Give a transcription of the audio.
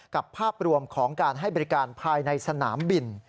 ภาพรวมของการให้บริการภายในสนามบิน